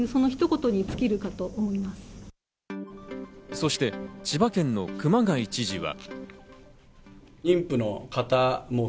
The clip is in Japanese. そして千葉県の熊谷知事は。